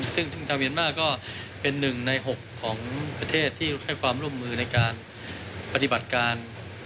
ซึ่งทางเมียนมาร์ก็เป็น๑ใน๖ของประเทศที่ให้ความร่วมมือในการปฏิบัติการ